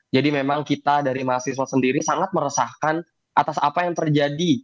memang kita dari mahasiswa sendiri sangat meresahkan atas apa yang terjadi